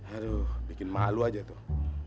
aduh bikin malu aja tuh